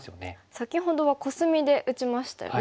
先ほどはコスミで打ちましたよね